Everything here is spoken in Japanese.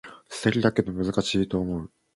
素敵だけど難しいと思う